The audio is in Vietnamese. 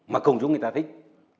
mà công chúng người ta thích